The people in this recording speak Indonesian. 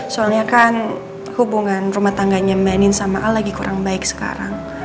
soalnya kan hubungan rumah tangganya mbak nin sama a lagi kurang baik sekarang